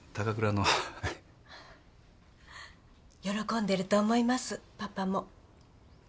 喜んでると思いますパパも。